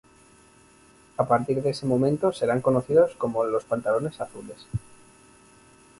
A partir de ese momento, serán conocidos como Los Pantalones Azules.